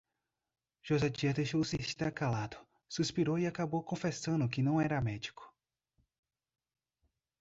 José Dias deixou-se estar calado, suspirou e acabou confessando que não era médico.